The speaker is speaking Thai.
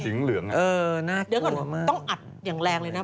สิงหลย์เออน่ากลัวมากเดี๋ยวก่อนต้องอัดอย่างแรงเลยน่ะ